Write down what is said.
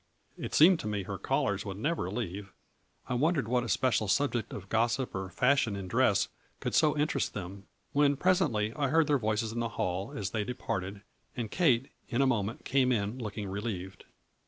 It seemed to me her callers would never leave. I wondered what especial subject of gossip or fashion in dress could so interest them, when presently, I heard their voices in the hall as they departed, and Kate, in a moment, came in looking relieved.